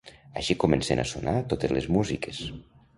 Així comencen a sonar totes les músiques.